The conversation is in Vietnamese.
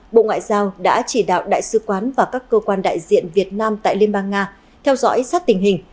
bộ ngoại giao đã chỉ đạo đại sứ quán và các cơ quan đại diện việt nam tại liên bang nga theo dõi sát tình hình